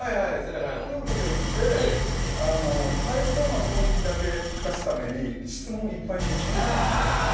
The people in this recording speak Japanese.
夫婦で行って、買えそうな雰囲気だけ出すために質問いっぱいしました。